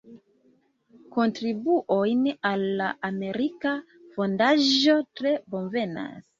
Kontribuojn al la Amerika Fondaĵo tre bonvenas!